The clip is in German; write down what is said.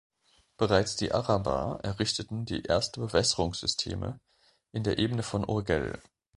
Bereits die Araber errichteten die erste Bewässerungssysteme in der Ebene von Urgell.